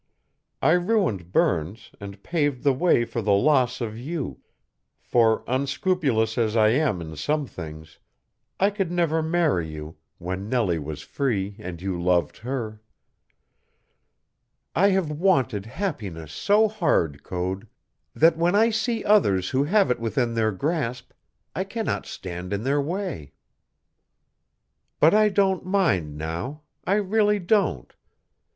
I ruined Burns and paved the way for the loss of you, for, unscrupulous as I am in some things, I could never marry you when Nellie was free and you loved her. I have wanted happiness so hard, Code, that when I see others who have it within their grasp, I cannot stand in their way. "But I don't mind now I really don't.